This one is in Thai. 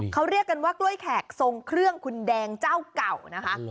เขาเรียกกันว่ากล้วยแขกทรงเครื่องคุณแดงเจ้าเก่านะคะ